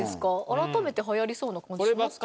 改めて流行りそうな感じしますけど。